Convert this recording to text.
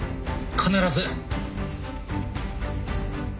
必ず。